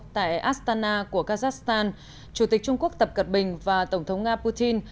tại astana của kazakhstan chủ tịch trung quốc tập cận bình và tổng thống nga putin